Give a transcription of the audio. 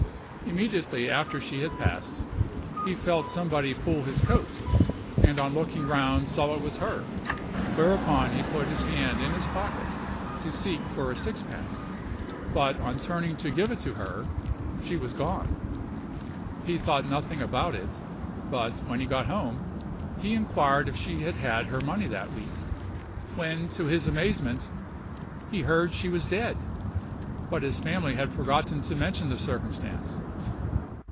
Immediately after she had passed, he felt somebody pull his coat, and on looking round saw it was her, whereupon he put his hand in his pocket to seek for a sixpence, but on turning to give it to her she was gone. He thought nothing about it; but when he got home, he inquired if she had had her money that week,—when, to his amazement, he heard she was dead, but his family had forgotten to mention the circumstance.